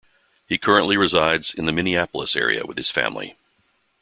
He currently resides in the Minneapolis area with his family.